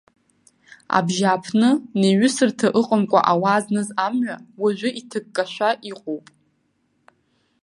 Абжьааԥны неиҩысырҭа ыҟамкәа ауаа зныз амҩа уажәы иҭыккашәа иҟоуп.